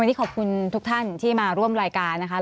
วันนี้ขอบคุณทุกท่านที่มาร่วมรายการนะคะ